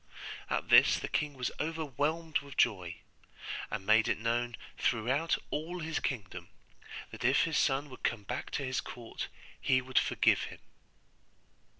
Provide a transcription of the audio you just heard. At this the king was overwhelmed with joy, and made it known throughout all his kingdom, that if his son would come back to his court he would forgive him.